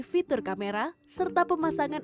fitur kamera serta pemasangan